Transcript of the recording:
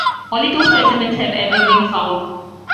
Only two specimens have ever been found.